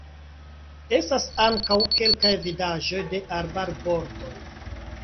Estas ankaŭ kelkaj vidaĵoj de arbarbordoj.